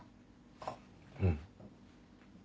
あっうん。